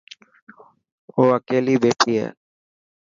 او اڪيلي ٻيٺي هي.